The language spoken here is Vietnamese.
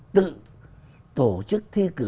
tự tổ chức thi cử